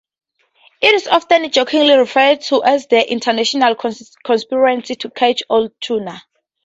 It is often jokingly referred to as the "International Conspiracy to Catch All Tuna".